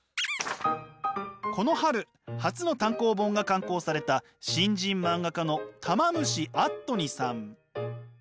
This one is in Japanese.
この春初の単行本が刊行された新人漫画家のたま虫あっとにさん。